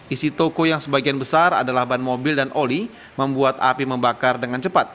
isi toko yang sebagian besar adalah ban mobil dan oli membuat api membakar dengan cepat